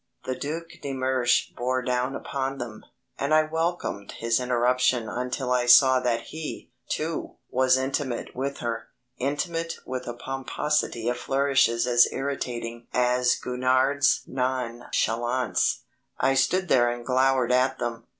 The Duc de Mersch bore down upon them, and I welcomed his interruption until I saw that he, too, was intimate with her, intimate with a pomposity of flourishes as irritating as Gurnard's nonchalance. I stood there and glowered at them.